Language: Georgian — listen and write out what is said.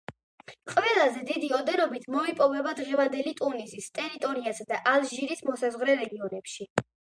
ყველაზე დიდი ოდენობით მოიპოვება დღევანდელი ტუნისის ტერიტორიასა და ალჟირის მოსაზღვრე რეგიონებში.